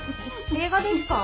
映画ですか？